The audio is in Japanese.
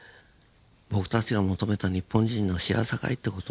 僕たちが求めた日本人の幸せかい？」って事をね